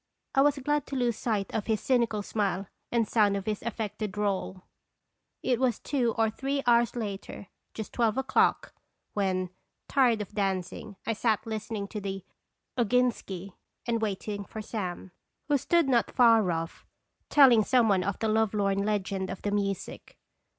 I was glad to lose sight of his cynical smile and sound of his affected drawl. It was two or three hours later, just twelve o'clock, when, tired of dancing, I sat listening to the " Oginski," and waiting for Sam, who stood not far off, telling some one the love lorn legend of the music.